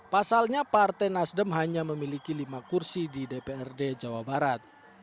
pasalnya partai nasdem hanya memiliki lima kursi di dprd jawa barat